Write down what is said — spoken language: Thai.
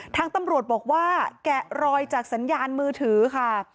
ทางตำรวจบอกว่าแกะรอยจากสัญญาณมือถือค่ะ